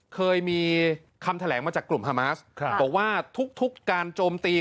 เคยมีคำแถลงมาจากกลุ่มฮามาสบอกว่าทุกการโจมตี